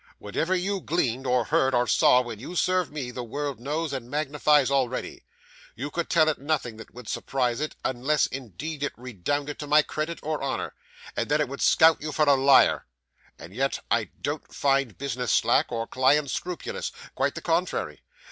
Whatever you gleaned, or heard, or saw, when you served me, the world knows and magnifies already. You could tell it nothing that would surprise it, unless, indeed, it redounded to my credit or honour, and then it would scout you for a liar. And yet I don't find business slack, or clients scrupulous. Quite the contrary.